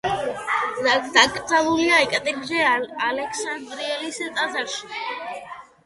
დაკრძალულია ეკატერინე ალექსანდრიელის ტაძარში.